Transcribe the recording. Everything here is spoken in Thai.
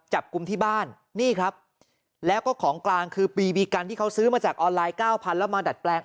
จับกลุ่มที่บ้านนี่ครับแล้วก็ของกลางคือปีบีกันที่เขาซื้อมาจากออนไลน์เก้าพันแล้วมาดัดแปลง